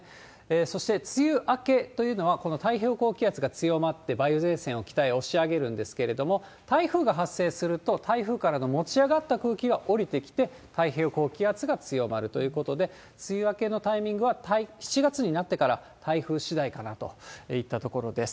そして梅雨明けというのは、この太平洋高気圧が強まって、梅雨前線を北へ押し上げるんですけれども、台風が発生すると、台風からの持ち上がった空気が下りてきて、太平洋高気圧が強まるということで、梅雨明けのタイミングは７月になってから、台風しだいかなといったところです。